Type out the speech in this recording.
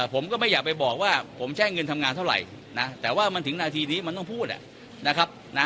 ผมก็ไม่อยากไปบอกว่าผมแช่งเงินทำงานเท่าไหร่นะแต่ว่ามันถึงนาทีนี้มันต้องพูดนะครับ